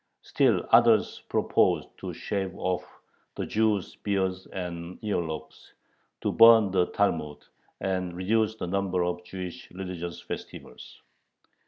Still others proposed to shave off the Jews' beards and earlocks, to burn the Talmud, and reduce the number of Jewish religious festivals.